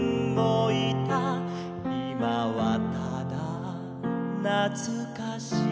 「いまはただなつかしい」